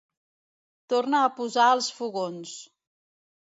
Torna a posar als fogons.